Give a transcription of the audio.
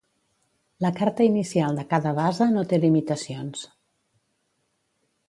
La carta inicial de cada basa no té limitacions.